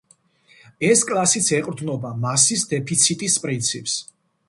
ეს კლასიც ეყრდნობა მასის დეფიციტის პრინციპს.